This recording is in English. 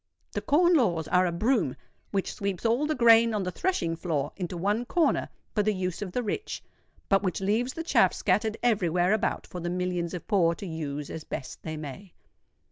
The Corn Laws are a broom which sweeps all the grain on the threshing floor into one corner for the use of the rich, but which leaves the chaff scattered every where about for the millions of poor to use as best they may.